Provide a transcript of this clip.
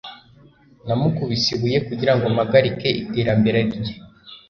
namukubise ibuye kugirango mpagarike iterambere rye